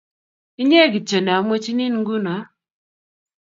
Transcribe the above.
Inye kityo ne amwechinin nguno